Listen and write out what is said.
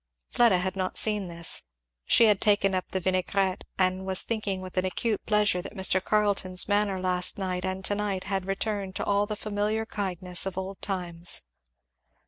Fleda had not seen this. She had taken up the vinaigrette, and was thinking with acute pleasure that Mr. Carleton's manner last night and to night had returned to all the familiar kindness of old times.